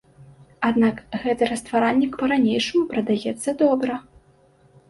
Аднак гэты растваральнік па-ранейшаму прадаецца добра.